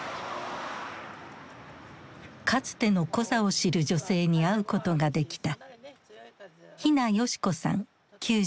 かつてのコザを知る女性に会うことができた。